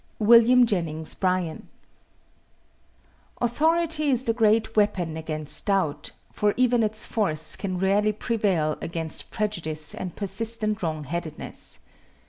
WILLIAM JENNINGS BRYAN. Authority is the great weapon against doubt, but even its force can rarely prevail against prejudice and persistent wrong headedness.